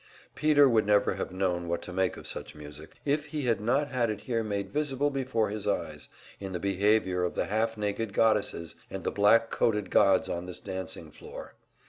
Peter would never have known what to make of such music, if he had not had it here made visible before his eyes, in the behavior of the half naked goddesses and the black coated gods on this dancing floor.